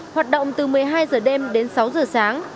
hoạt động từ một mươi hai h đêm đến sáu h sáng